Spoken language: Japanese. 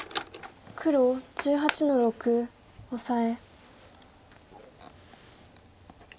黒１８の六オサエ。